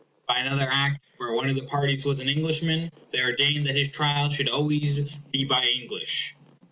By another Act, where one of the parties was an Englishman, they ordained that his trial should be always by English.